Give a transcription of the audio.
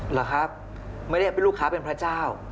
หรือครับไม่ได้รูขาเป็นพระเจ้า